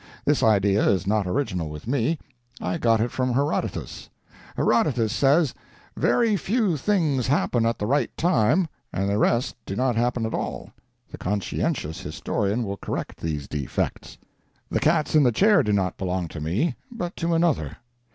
This idea is not original with me; I got it out of Herodotus. Herodotus says, "Very few things happen at the right time, and the rest do not happen at all: the conscientious historian will correct these defects." The cats in the chair do not belong to me, but to another.